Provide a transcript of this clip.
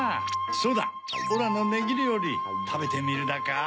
そうだオラのネギりょうりたべてみるだかぁ？